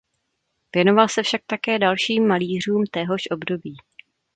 Věnoval se však také dalším malířům téhož období.